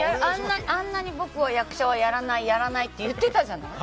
あんなに僕は役者はやらない、やらないって言ってたじゃない。